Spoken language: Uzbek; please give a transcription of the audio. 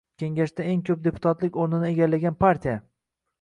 Kengashda eng ko‘p deputatlik o‘rnini egallagan partiya